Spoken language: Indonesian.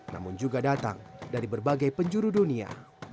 namun juga datang dari berbagai penjuru dunia